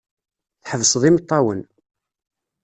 Tḥebseḍ imeṭṭawen.